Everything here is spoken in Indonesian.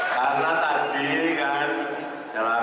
karena tadi kan dalam